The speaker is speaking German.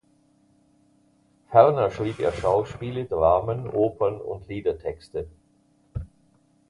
Ferner schrieb er Schauspiele, Dramen, Opern und Liedertexte.